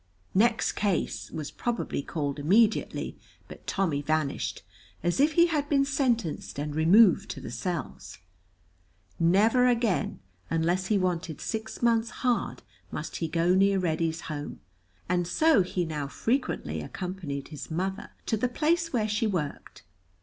"Next case" was probably called immediately, but Tommy vanished, as if he had been sentenced and removed to the cells. Never again, unless he wanted six months hard, must he go near Reddy's home, and so he now frequently accompanied his mother to the place where she worked.